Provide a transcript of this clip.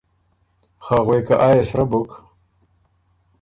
خه غوېکه آ يې سرۀ بُک،